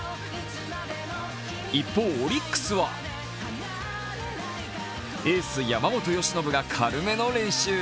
一方、オリックスはエース・山本由伸が軽めの練習。